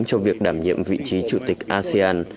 cho việc đảm nhiệm vị trí chủ tịch asean